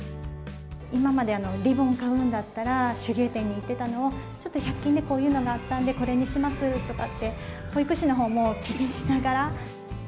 今までリボン買うんだったら、手芸店に行っていたのを、ちょっと１００均でこういうのがあったんで、これにしますとかって、保育士のほうも気にしながら。